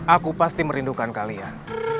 aku pasti merindukan kalian